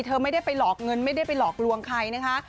เธอไม่ได้ไปหลอกเงินไม่ได้ไปหลอกลวงใครนะคะ